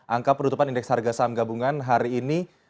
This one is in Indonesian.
angka penutupan indeks harga saham gabungan hari ini